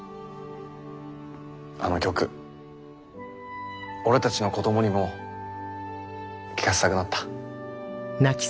あの曲俺たちの子どもにも聴かせたくなった。